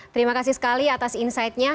terima kasih sekali atas insightnya